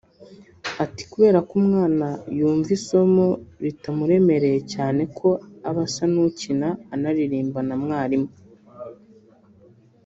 Ati “Kubera ko umwana yumva isomo ritamuremereye cyane ko aba asa n’ukina anaririmbana na mwarimu